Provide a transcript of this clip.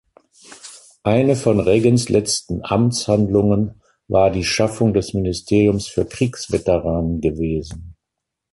Eine von Reagans letzten Amtshandlungen war die Schaffung des Ministeriums für Kriegsveteranen gewesen.